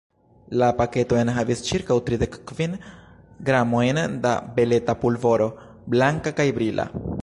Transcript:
La paketo enhavis ĉirkaŭ tridek kvin gramojn da beleta pulvoro, blanka kaj brila.